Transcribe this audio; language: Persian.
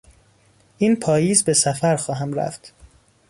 این پاییز به سفر خواهم رفت.